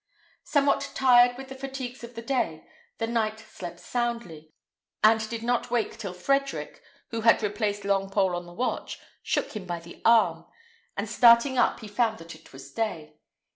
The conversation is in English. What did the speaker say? Somewhat tired with the fatigues of the day, the knight slept soundly, and did not wake till Frederick, who had replaced Longpole on the watch, shook him by the arm; and starting up, he found that it was day.